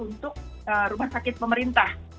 yang diumumkan adalah keadaan rumah sakit pemerintah